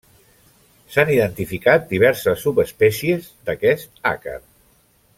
S'han identificat diverses subespècies d'aquest àcar.